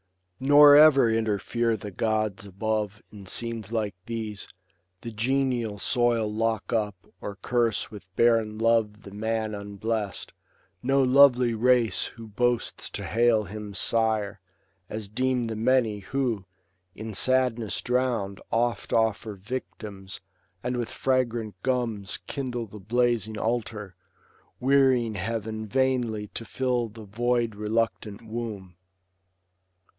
Nor ever interfere the gods above In scenes like these, the genial soil lock up, Or curse with barren love the man unbles^ 190 LUCRETIUS. B. IV. 1231—1264. No lovely race who boasts to hail him sire, — As deem the many, who, in sadness drown'd, Oft offer victims, and, with fragrant gums. Kindle the blazing altar, wearying heav'n Vainly, to fill the void reluctant womb.